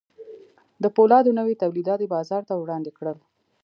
د پولادو نوي تولیدات یې بازار ته وړاندې کړل